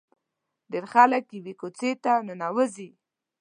ډېر خلک یوې کوڅې ته ننوځي.